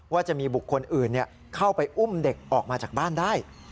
ว่าจะมีบุคคลอื่นเข้าไปอุ้มเด็กออกมาจากบ้านได้